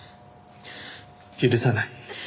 許さない。